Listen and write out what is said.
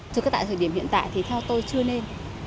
chứ tại thời điểm hiện tại thì theo tôi chưa nên